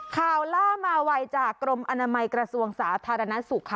ล่ามาไวจากกรมอนามัยกระทรวงสาธารณสุขค่ะ